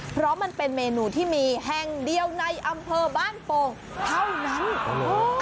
เพราะมันเป็นเมนูที่มีแห่งเดียวในอำเภอบ้านโป่งเท่านั้นโอ้โห